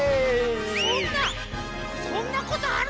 そんなそんなことある？